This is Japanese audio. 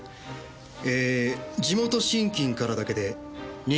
えー地元信金からだけで２３００万円。